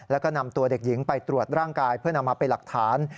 แล้วก็นำตัวเด็กหญิงไปตรวจร่างกายเพื่อนำมาเป็นหลักฐาน